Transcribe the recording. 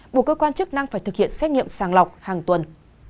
buộc cơ quan chức năng phải thực hiện xét nghiệm sàng lọc hàng tuần